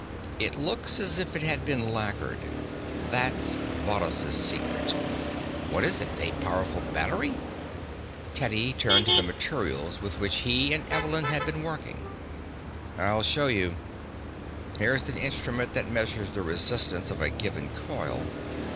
"It looks as if it had been lacquered. That's Varrhus' secret." "What is it? A powerful battery?" Teddy turned to the materials with which he and Evelyn had been working. "I'll show you. Here's an instrument that measures the resistance of a given coil.